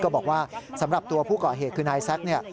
ก็บอกว่าสำหรับตัวผู้เกาะเหตุคือนายแซค